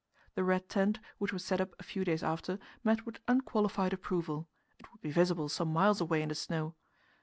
The red tent, which was set up a few days after, met with unqualified approval; it would be visible some miles away in the snow.